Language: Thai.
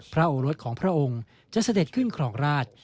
โอรสของพระองค์จะเสด็จขึ้นครองราช